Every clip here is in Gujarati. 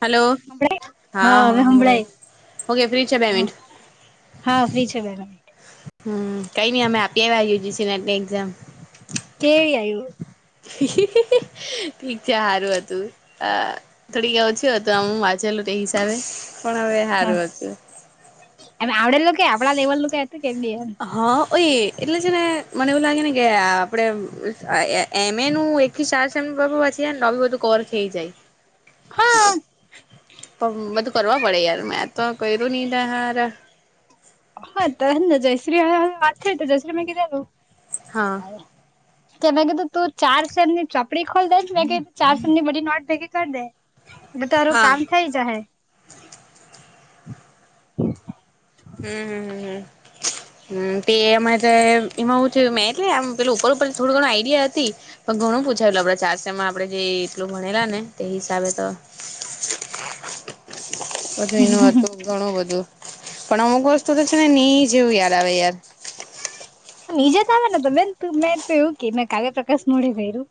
હલો હા હવે હભળ ઓકે ફ્રી છે બે હા. મિનિટ હા ફ્રી છે બેન. હમ કઈ નઈ અમે આપી્યા યુ જી સી નેટની એક્ઝામ. કેવી આવ્યો. ઠીક છે સારું હતું અ. થોડી કે ઓછી હો તો આમું માછલું તે હિસાબે, પણ હવે હા હારું છું. એમ આવડેલું કે આપણા લેવલ નું ક હતું કેમ? હા ઓય એટલે છે ને મને એવું લાગે ને કે આપડે એમે ન એકી સાારસ એમપ વાછી નેી બધું કર ખઈ જાય. હા પણ બધું કરવા પડે યાર મેં તો કર્યું નહ ત હાર. હા તને જયશ્રી માતા જયશ્રી મે કીધેલું. હા. હ [unintelligible] કે મેં કીધું તું ચાર શેર ની ચપડી ખોલી દેને મેં કીધ તું ચાર શેર ની બડી નોટ ભેગી કરી દે. એટલે તારું હા કામ થઇ જ હે. હ [inaudible] હમમ, તે અમાં એમાં હું છે મેટલે આ પે ઉપર થોડું ઘણ આઈડિયા હતી. ઘણું પૂછાયેલું આપડે ચારસમાં આપડણે જે એટલું ભણેલા ને તે હિસાબે તો. બછું એનું હતું ઘણું બધું. પણ અમુક વસ્તુ તો છે ને નહી જેવું યાદ આવે યાર. નીજે ક આવે ને તો બેન તું મેં તો એવું કે મેં કાવ્ય પ્રકાશ મોડે ગય્યું.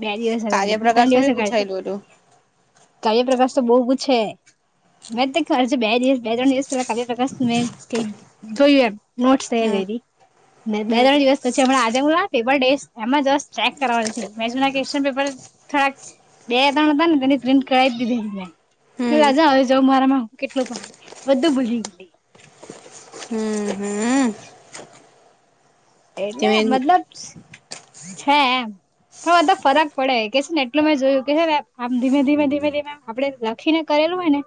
બે દિવસ અગાડી બે ત્રણ કાર્યપ્રકાશ નું દિવસ બી અગાડી, પૂછાયેલું હતું કાર્ય પ્રકાશ તો બહ ક છે. મેં ખરજ બે દિવસ બે ત્રણ દિવસ પેલા કા્ય પ્રકાશ મેં ક જોયું એમ નોટસ થ હમ રેડી. બે ત્રણ હમ દિવસ પછી હમણા આજે પેપર ડે એમાં જ્ક કરવાની નથી મે શુંન પેપર થોડાક બે તણ હતા ને તેની પ્રિન્ટ કરાવી દીધીને. હમ રાજા હવે જઉં મારામાં કેટલું પાણી, બધું ભૂલી ગલી. હમ હમ. એટલે તે મતલબ છે એમ. પણ મધબ ફરક પડે કે છે ને એટલું મે જોયું કે છે ને આમ ધીમે ધીમે ધીમે ધીમેમ આપડે લખીને કરેલું હોય ને,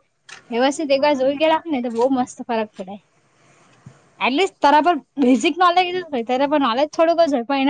વ્યવસ્થિત એક વાર જોઈ ગ રાખે ને તો બહુ મસ્ત ફરક પડે. એટલીસ્ટ તરા પર બેઝિક નોલેજ હો ત પર નોલેજ થોડુંક જ હોય પણ એના